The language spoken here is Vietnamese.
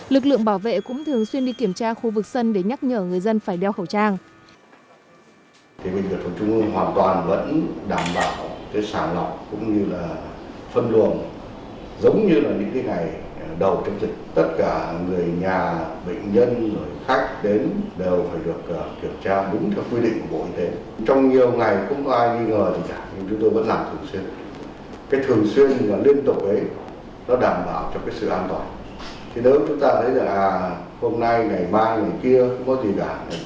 lực lượng bảo vệ cũng thường xuyên đi kiểm tra khu vực sân để nhắc nhở người dân phải đeo khẩu trang